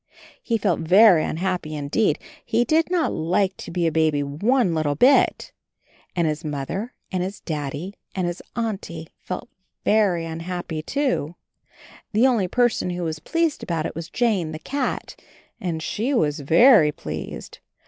He felt very un happy indeed; he did not like to be a baby one little bit. And his Mother and his Daddy and his Auntie felt very unhappy, too. The only person who was pleased about it was Jane, the cat, and she was very pleased.